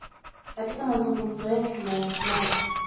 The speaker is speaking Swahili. Katika mazungumzo yetu tumeafikiana